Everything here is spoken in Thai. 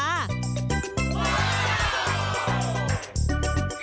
โอ้โฮ